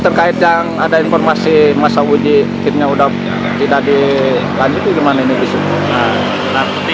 terkait yang ada informasi masa uji kirinya sudah tidak dilanjutkan bagaimana ini